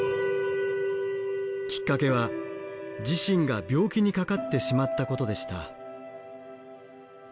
きっかけは自身が病気にかかってしまったことでした。